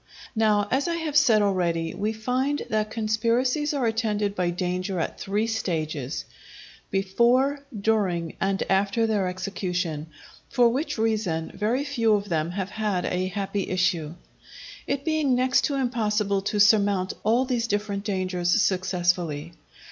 Now, as I have said already, we find that conspiracies are attended by danger at three stages: before during, and after their execution; for which reason very few of them have had a happy issue; it being next to impossible to surmount all these different dangers successfully.